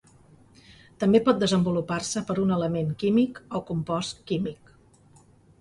També pot desenvolupar-se per un element químic o compost químic.